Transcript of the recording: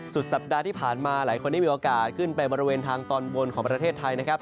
สัปดาห์ที่ผ่านมาหลายคนได้มีโอกาสขึ้นไปบริเวณทางตอนบนของประเทศไทยนะครับ